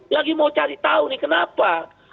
lagi mau cari tahu nih kenapa